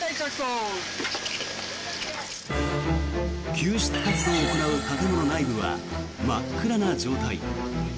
救出活動を行う建物内部は真っ暗な状態。